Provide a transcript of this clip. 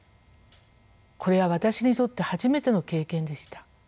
これは私にとって初めての経験でした。